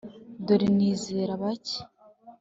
dore nizera bake.